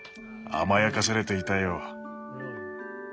甘やかされていたよ。